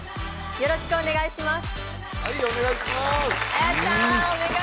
よろしくお願いします。